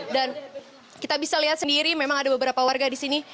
kita bisa lihat sendiri memang ada beberapa warga di sini